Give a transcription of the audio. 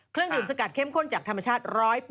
เครื่องดื่มสกัดเข้มข้นจากธรรมชาติ๑๐๐